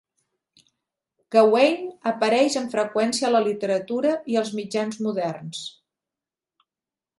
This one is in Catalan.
Gawain apareix amb freqüència en la literatura i els mitjans moderns.